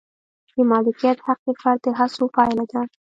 د مالکیت حق د فرد د هڅو پایله ده.